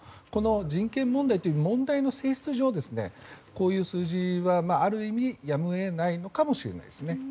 この人権問題という問題の性質上こういう数字はある意味、やむを得ないのかもしれないですね。